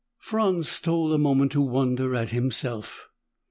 Franz stole a moment to wonder at himself.